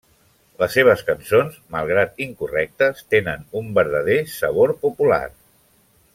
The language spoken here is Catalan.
Les seves cançons, malgrat incorrectes, tenen un verdader sabor popular.